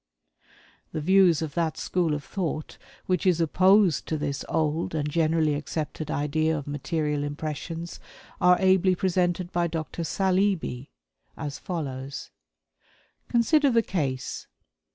The views of that school of thought which is opposed to this old and generally accepted idea of material impressions, are ably presented by Dr. Saleeby, as follows: "Consider the case.